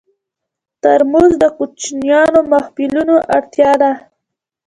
ترموز د کوچنیو محفلونو اړتیا ده.